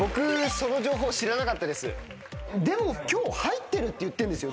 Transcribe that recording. でも今日入ってるって言ってんですよ。